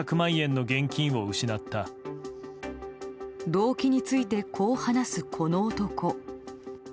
動機についてこう話すこの男。